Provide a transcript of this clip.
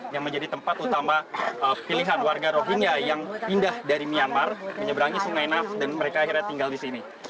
yang menjadi tempat utama pilihan warga rohingya yang pindah dari myanmar menyeberangi sungai naf dan mereka akhirnya tinggal di sini